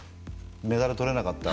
メダル取れなかった。